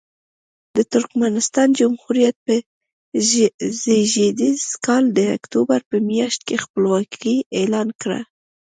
د ترکمنستان جمهوریت په زېږدیز کال د اکتوبر په میاشت کې خپلواکي اعلان کړه.